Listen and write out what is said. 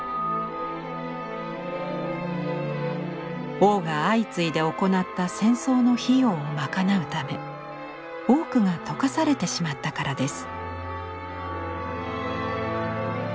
王が相次いで行った戦争の費用を賄うため多くが溶かされてしまったからです。